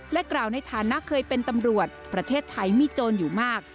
กล่าวในฐานะเคยเป็นตำรวจประเทศไทยมีโจรอยู่มาก